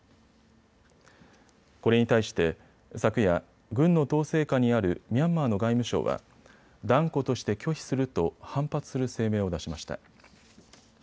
これに対して昨夜、軍の統制下にあるミャンマーの外務省は断固として拒否すると反発する声明を出しました。